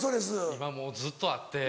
今もうずっとあって。